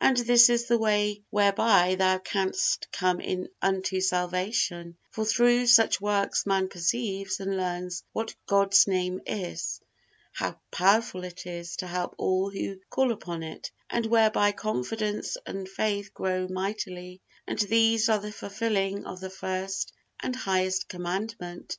And this is the way whereby thou canst come unto salvation; for through such works man perceives and learns what God's Name is, how powerful it is to help all who call upon it; and whereby confidence and faith grow mightily, and these are the fulfilling of the first and highest Commandment.